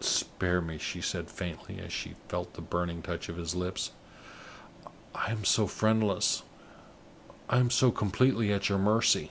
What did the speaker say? "Spare me!" she said, faintly, as she felt the burning touch of his lips. "I am so friendless I am so completely at your mercy!"